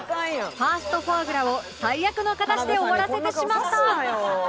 ファーストフォアグラを最悪の形で終わらせてしまった